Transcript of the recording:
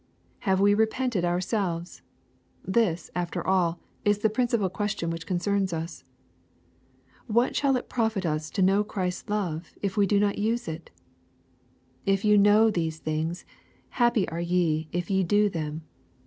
Have we repented ourselves ? This, after all, is the principal question which concerns us. What shall it profit us to knaw Christ's love, if we do not use it ?" If ye know these things, happy are ye if ye do them."